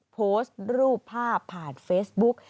โพสต์รูปภาพผ่านเฟซบุ๊ก